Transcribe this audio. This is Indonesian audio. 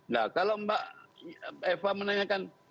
nah kalau mbak eva menanyakan